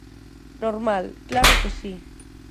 Normal, claro que si.